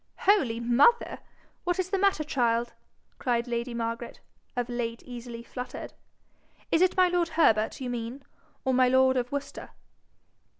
'Holy mother! what is the matter, child?' cried lady Margaret, of late easily fluttered. 'Is it my lord Herbert you mean, or my lord of Worcester?'